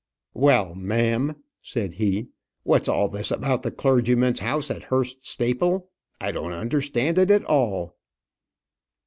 "Well, ma'am," said he; "what's all this about the clergyman's house at Hurst Staple? I don't understand it at all."